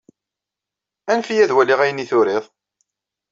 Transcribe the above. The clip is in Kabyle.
Anef-iyi ad waliɣ ayen i turiḍ.